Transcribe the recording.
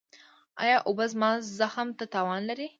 ایا اوبه زما زخم ته تاوان لري؟